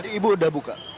jadi ibu udah buka